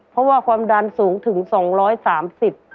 เพราะว่าความดันสูงถึงสองร้อยสามสิบ